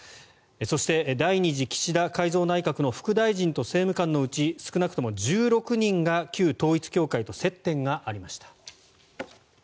そして第２次岸田改造内閣の副大臣と政務官のうち少なくとも１６人が旧統一教会と接点がありました。